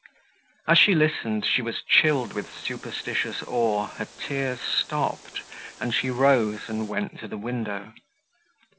As she listened, she was chilled with superstitious awe, her tears stopped; and she rose, and went to the window.